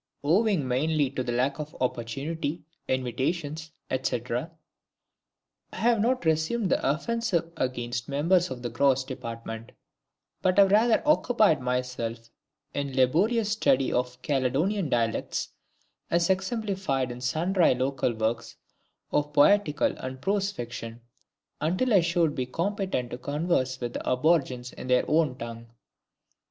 _ Owing mainly to lack of opportunity, invitations, et cætera, I have not resumed the offensive against members of the grouse department, but have rather occupied myself in laborious study of Caledonian dialects, as exemplified in sundry local works of poetical and prose fiction, until I should be competent to converse with the aborigines in their own tongue. [Illustration: "WHETHER HE HAD WHA HAED WI' HON'BLE WALLACE?"